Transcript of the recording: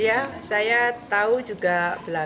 ada yang cukup bona